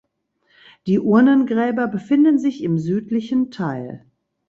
Die Urnengräber befinden sich im südlichen Teil.